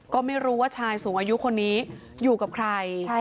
ก็ไม่รู้ว่าชายสูงอายุคนนี้อยู่กับใคร